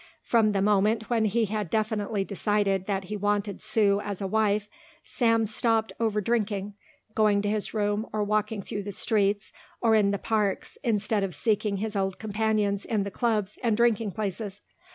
From the moment when he had definitely decided that he wanted Sue as a wife, Sam stopped overdrinking, going to his room or walking through the streets or in the parks instead of seeking his old companions in the clubs and drinking places.